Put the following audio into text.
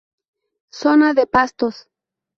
Zona de pastos.